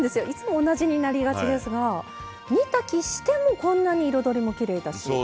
いつも同じになりがちですが煮炊きしてもこんなに彩りもきれいだし。